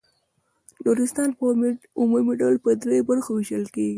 نورستان په عمومي ډول په دریو برخو وېشل کیږي.